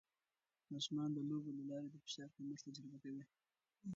ماشومان د لوبو له لارې د فشار کمښت تجربه کوي.